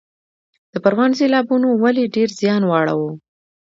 د پروان سیلابونو ولې ډیر زیان واړوه؟